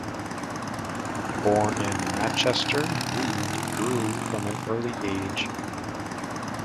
Born in Machester, Reid drew from an early age.